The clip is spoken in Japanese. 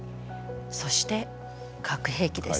そして核兵器です。